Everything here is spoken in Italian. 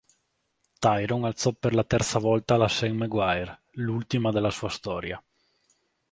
Tyrone alzò per la terza volta la Sam Maguire, l'ultima della sua storia.